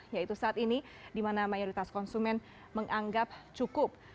yaitu saat ini di mana mayoritas konsumen menganggap cukup